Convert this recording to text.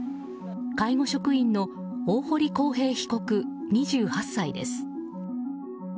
介護職員の大堀晃平被告、２８歳です。